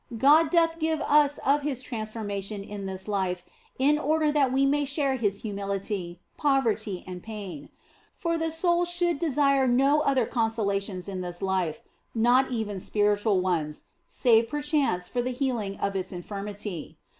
God doth give us of His transformation in this life in order that we may share His humility, poverty, and pain. For the soul should desire no other consola tions in this life, not even spiritual ones, save perchance for the healing of its infirmity.